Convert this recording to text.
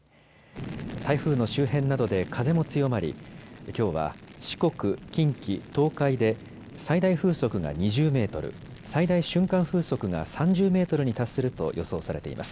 台風の周辺などで風も強まりきょうは四国、近畿、東海で最大風速が２０メートル、最大瞬間風速が３０メートルに達すると予想されています。